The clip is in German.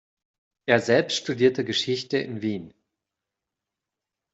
Er selbst studierte Geschichte in Wien.